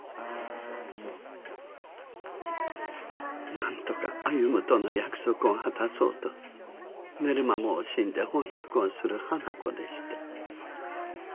なんとか歩との約束を果たそうと寝る間も惜しんで翻訳をする花子でした。